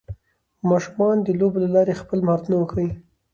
ماشومان د لوبو له لارې خپل مهارتونه وښيي